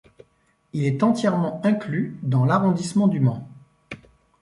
Il est entièrement inclus dans l'arrondissement du Mans.